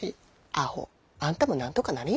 アホ！あんたもなんとかなり。